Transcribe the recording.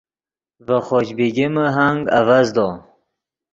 ڤے خوش بیگمے ہنگ اڤزدو